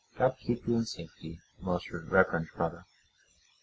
God keep you in safety, most reverend brother.